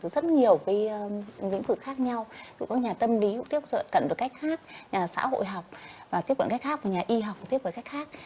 rất nhiều vĩnh vực khác nhau có nhà tâm lý cũng tiếp cận với cách khác nhà xã hội học tiếp cận với cách khác nhà y học tiếp cận với cách khác